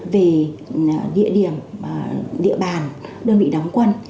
về địa điểm địa bàn đơn vị đóng quân